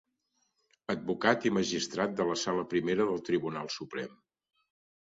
Advocat i magistrat de la sala primera del Tribunal Suprem.